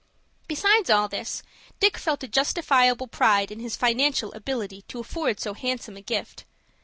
Besides all this, Dick felt a justifiable pride in his financial ability to afford so handsome a gift.